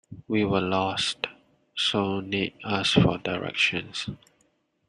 We were lost, so Nate asked for directions.